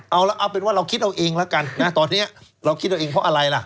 เอาเป็นว่าเราคิดเอาเองแล้วกันนะตอนนี้เราคิดเอาเองเพราะอะไรล่ะ